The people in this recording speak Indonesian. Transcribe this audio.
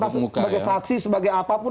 sebagai saksi sebagai apapun